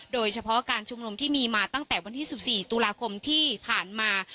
โดยเฉพาะการชุมนุมที่มีมาตั้งแต่วันที่๑๔ตุลาคมที่ผ่านมา